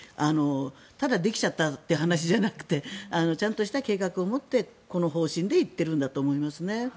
ただできちゃったという話じゃなくてちゃんとした計画を持ってこの方針で行ってるんだと思いますね。